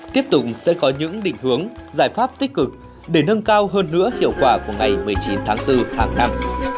tiếp tục sẽ có những định hướng giải pháp tích cực để nâng cao hơn nữa hiệu quả của ngày một mươi chín tháng bốn hàng năm